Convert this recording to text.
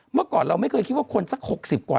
เมื่อก่อนเราไม่เคยคิดว่าคนสัก๖๐กว่า